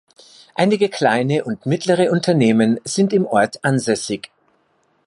Einige kleine und mittlere Unternehmen sind im Ort ansässig.